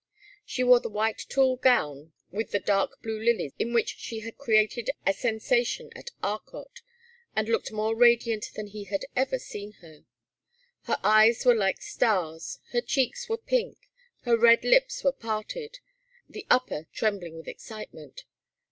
She wore the white tulle gown with the dark blue lilies in which she had created a sensation at Arcot, and looked more radiant than he had ever seen her. Her eyes were like stars, her cheeks were pink; her red lips were parted, the upper trembling with excitement.